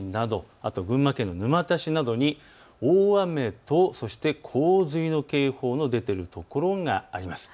あと群馬県の沼田市などに大雨と洪水の警報が出ている所があります。